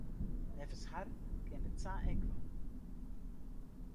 Neffens har kin it sa ek wol.